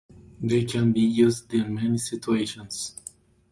They can be used in many situations.